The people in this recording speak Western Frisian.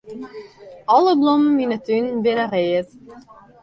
Alle blommen yn 'e tún binne read.